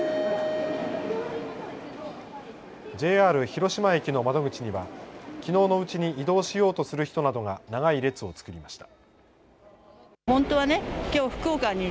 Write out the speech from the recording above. ＪＲ広島駅の窓口には、きのうのうちに移動しようとする人などが長い列を作りました。